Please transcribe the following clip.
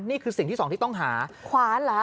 นี่คือสิ่งที่สองที่ต้องหาขวานเหรอ